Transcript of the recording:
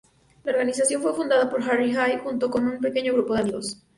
La organización fue fundada por Harry Hay junto con un pequeño grupo de amigos.